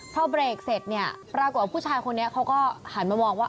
พอเบรกเสร็จเนี่ยปรากฏว่าผู้ชายคนนี้เขาก็หันมามองว่า